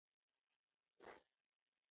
مستقیم اړیکي ټینګ کړي.